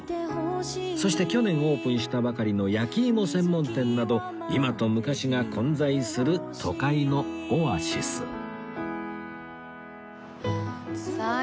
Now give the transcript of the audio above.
そして去年オープンしたばかりの焼き芋専門店など今と昔が混在する都会のオアシスさあ